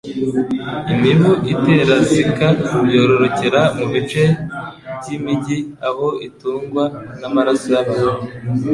Imibu itera Zika yororokera mu bice by'imijyi aho itungwa n'amaraso y'abantu.